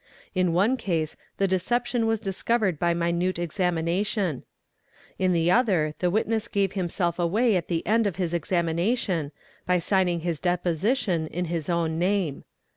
In one case the deception was discovered by minute examination; in the other the witness gave himsel away at the end of his examination, by signing his deposition in his owt name.